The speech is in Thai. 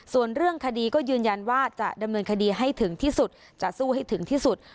ส่วนเรื่องคดีก็ยืนยันว่าจะดำเนินคดีให้ถึงที่สุดจะสู้ให้ถึงที่สุด